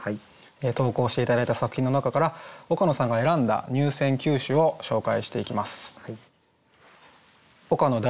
投稿して頂いた作品の中から岡野さんが選んだ入選九首を紹介していきます。